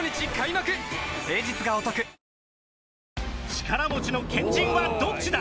力持ちの県人はどっちだ！？